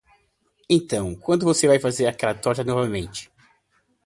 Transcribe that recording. Então, quando você vai fazer aquela torta novamente?